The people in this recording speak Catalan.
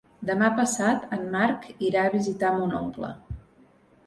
Demà passat en Marc irà a visitar mon oncle.